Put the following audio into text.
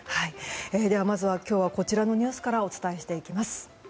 まずは今日こちらのニュースからお伝えしていきます。